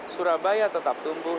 surabaya tetap tumbuh